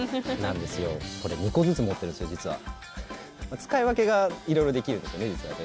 使い分けが色々できるんですよね、実はね。